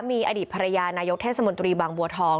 มีอดีตภรรยานายกเทศสมบังบัวทอง